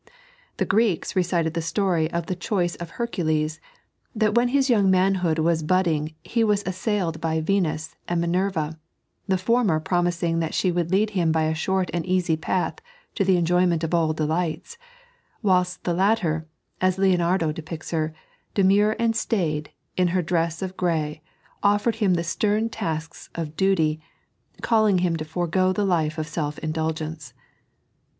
The Greeks recited the story of the Choice of Hercules, that when his young manhood was budding he was assailed by Tenus and Minerva — the fonner promising that she would lead him by a short and easy path to the enjoyment of all delights ; whilst the latter, as Ijeonu^o depicts her, demure and staid, in her drees of grey, offered him the stem tasks of duty, calling him to forego the life of self indulgence.